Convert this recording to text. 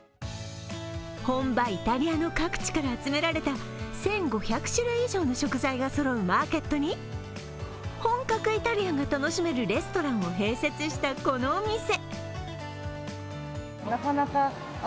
本場イタリアの各地から集められた１５００種類以上の食材がそろうマーケットに本格イタリアンが楽しめるレストランを併設した、このお店。